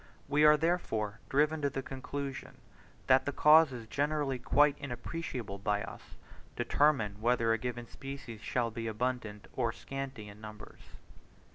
We are therefore, driven to the conclusion, that causes generally quite inappreciable by us, determine whether a given species shall be abundant or scanty in numbers.